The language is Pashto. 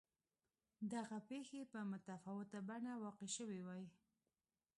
دغه پېښې په متفاوته بڼه واقع شوې وای.